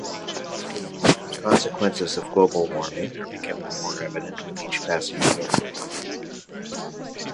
The consequences of global warming are becoming more evident with each passing year.